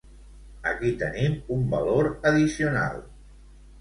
Aquí tenim un valor addicional.